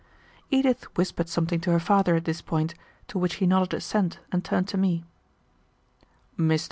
Edith whispered something to her father at this point, to which he nodded assent and turned to me. "Mr.